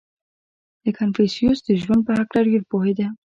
• کنفوسیوس د ژوند په هکله ډېر پوهېده.